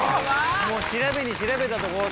調べに調べたところ。